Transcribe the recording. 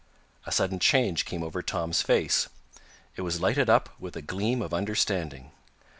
A sudden change came over Tom's face. It was lighted up with a gleam of understanding.